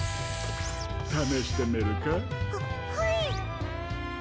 ためしてみるかい？ははい。